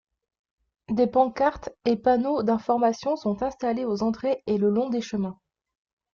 Des pancartes et panneaux d’information sont installés aux entrées et le long des chemins.